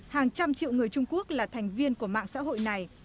hàng trăm triệu người trung quốc là thành viên của mạng xã hội này